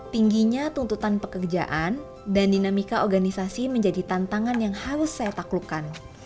tingginya tuntutan pekerjaan dan dinamika organisasi menjadi tantangan yang harus saya taklukkan